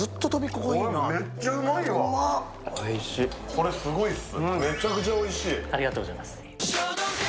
これ、すごいです。